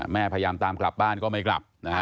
แม่พยายามตามกลับบ้านก็ไม่กลับ